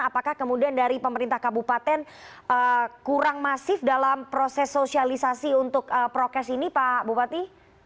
apakah kemudian dari pemerintah kabupaten kurang masif dalam proses sosialisasi untuk prokes ini pak bupati